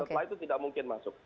setelah itu tidak mungkin masuk